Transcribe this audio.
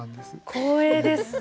光栄です。